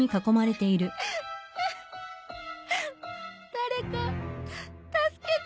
誰か助けて。